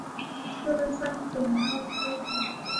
เพื่อสร้างคุณค่าเพิ่ม